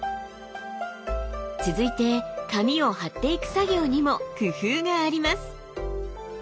続いて紙を貼っていく作業にも工夫があります。